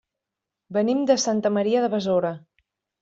Venim de Santa Maria de Besora.